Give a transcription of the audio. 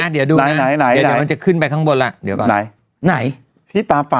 เดี๋ยวต้องจะขึ้นไปข้างบนหน่อย